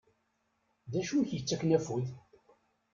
Dacu i ak-yettakken afud?